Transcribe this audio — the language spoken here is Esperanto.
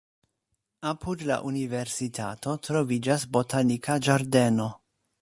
Apud la universitato troviĝas botanika ĝardeno.